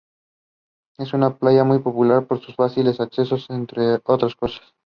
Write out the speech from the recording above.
Es una playa muy popular por sus fáciles accesos entre otras cosas.